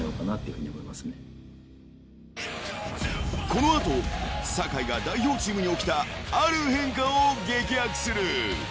［この後酒井が代表チームに起きたある変化を激白する］